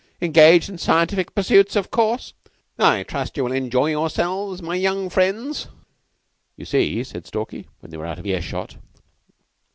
"Engaged in scientific pursuits, of course? I trust you will enjoy yourselves, my young friends." "You see!" said Stalky, when they were out of earshot.